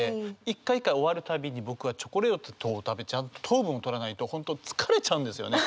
一回一回終わるたびに僕はチョコレートを食べちゃんと糖分をとらないと本当疲れちゃうんですよね。